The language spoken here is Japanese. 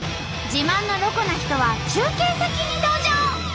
自慢のロコな人は中継先に登場！